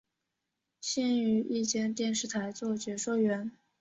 现于一间电视台做解说员。